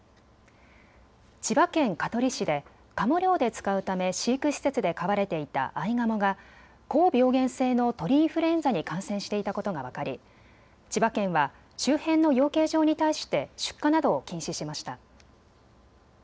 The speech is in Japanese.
千葉県香取市でかも猟で使うため飼育施設で飼われていたあいがもが高病原性の鳥インフルエンザに感染していたことが分かり千葉県は周辺の養鶏場に対して出荷などを禁止しました。